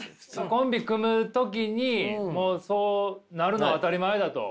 コンビ組む時にもうそうなるのは当たり前だと。